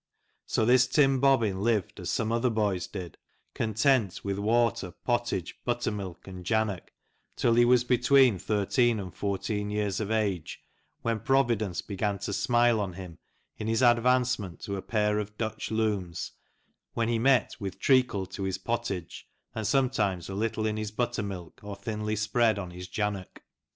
So this Tim Bobbin lived, as some other boys did, content with water pottage, buttermilk, and jannock, till he was between thirteen 76 Lancashire Gleanings, and fourteen years of age, when Providence began to smile on him in his advancement to a pair of Dutch looms, when he met with treacle to his pottage, and sometimes a little in his buttermilk, or thinly spread on his jannock."